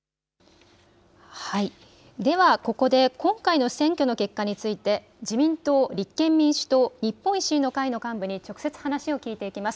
ではここで今回の選挙の結果について自民党、立憲民主党、日本維新の会の幹部に直接話を聞いていきます。